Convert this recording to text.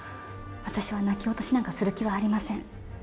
私は泣き落としなんかする気はありません。